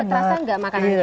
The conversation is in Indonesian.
terasa gak makanannya